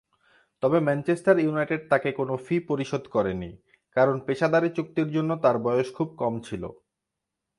তবে Manchester United তাকে কোন ফি পরিশোধ করেনি, কারণ পেশাদারী চুক্তির জন্য তার বয়স খুব কম ছিল।